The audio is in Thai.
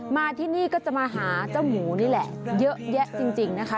มาที่นี่ก็จะมาหาเจ้าหมูนี่แหละเยอะแยะจริงนะคะ